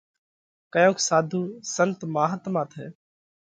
ڪيونڪ ساڌُو سنت مهاتما ٿئه